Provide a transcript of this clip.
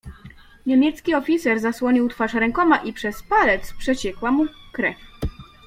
"Niemiecki oficer zasłonił twarz rękoma i przez palec przeciekła mu krew."